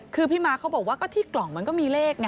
คือพี่ม้าเขาบอกว่าก็ที่กล่องมันก็มีเลขไง